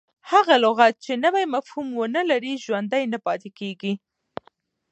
هغه لغت، چي نوی مفهوم و نه لري، ژوندی نه پاته کیږي.